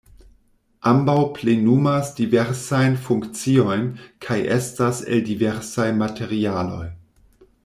Ambaŭ plenumas diversajn funkciojn kaj estas el diversaj materialoj.